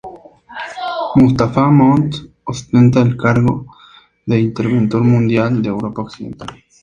Mustafá Mond ostenta el cargo de interventor mundial de Europa Occidental.